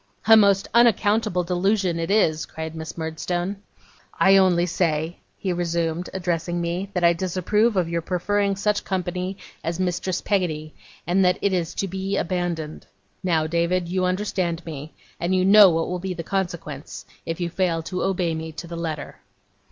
'A most unaccountable delusion it is!' cried Miss Murdstone. 'I only say,' he resumed, addressing me, 'that I disapprove of your preferring such company as Mistress Peggotty, and that it is to be abandoned. Now, David, you understand me, and you know what will be the consequence if you fail to obey me to the letter.